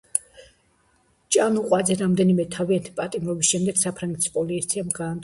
ჭანუყვაძე რამდენიმე თვიანი პატიმრობის შემდეგ საფრანგეთის პოლიციამ გაათავისუფლა.